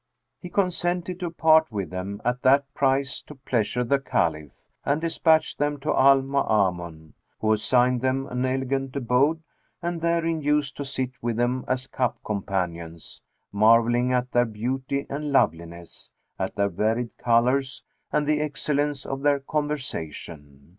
He consented to part with them at that price to pleasure the Caliph; and despatched them to Al Maamun, who assigned them an elegant abode and therein used to sit with them as cup companions; marvelling at their beauty and loveliness, at their varied colours and at the excellence of their conversation.